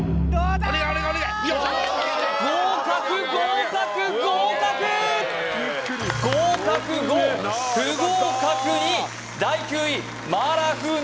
合格合格合格合格５不合格２第９位マーラー風味